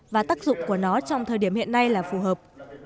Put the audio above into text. và tác dụng của nó trong thời điểm hiện nay là phù hợp